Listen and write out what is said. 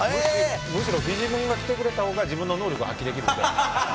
むしろフィジモンが来てくれた方が自分の能力を発揮できるみたいな。